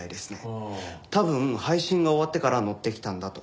多分配信が終わってから乗ってきたんだと。